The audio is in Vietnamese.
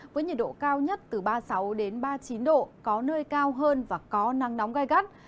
với nhiệt độ cao nhất từ ba mươi sáu ba mươi chín độ có nơi cao hơn và có nắng nóng gai gắt